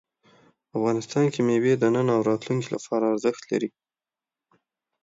افغانستان کې مېوې د نن او راتلونکي لپاره ارزښت لري.